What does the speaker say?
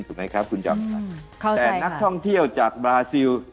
แต่นักท่องเที่ยวจากบาร์ซิล